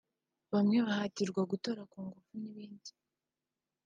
bamwe bahatirwa gutora ku ngufu n’ibindi